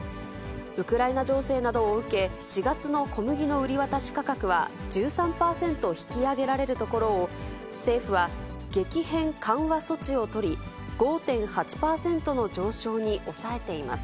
ウクライナ情勢などを受け、４月の小麦の売り渡し価格は１３％引き上げられるところを、政府は激変緩和措置を取り、５．８％の上昇に抑えています。